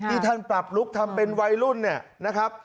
ที่ท่านปรับลุคทำเป็นวัยรุ่นเนี่ยนะครับ